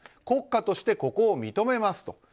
国家としてここを認めますと。